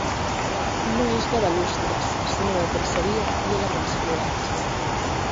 No és de balustres sinó de traceria i elements florals.